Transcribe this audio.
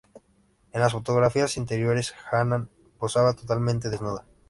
En las fotografías interiores, Hannah posaba totalmente desnuda.